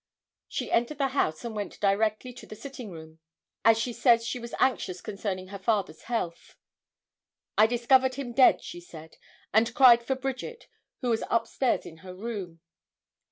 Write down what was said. She entered the house and went directly to the sitting room, as she says she was anxious concerning her father's health. 'I discovered him dead,' she said, 'and cried for Bridget, who was upstairs in her room.